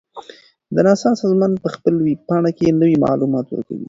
د ناسا سازمان په خپل ویب پاڼه کې نوي معلومات ورکوي.